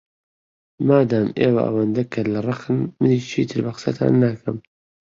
مادام ئێوە ئەوەندە کەللەڕەقن، منیش چیتر بە قسەتان ناکەم.